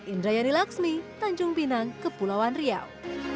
indra yanni laksmi tanjung pinang kepulauan riau